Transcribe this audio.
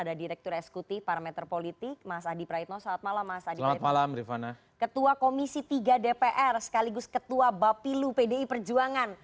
ketua komisi tiga dpr sekaligus ketua bapilu pdi perjuangan